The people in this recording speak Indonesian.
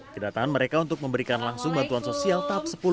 kedatangan mereka untuk memberikan langsung bantuan sosial tahap sepuluh